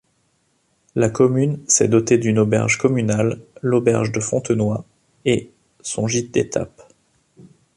La commune s'est dotée d'une auberge communale, l'Auberge de Fontenoy, et son gîte d’étape.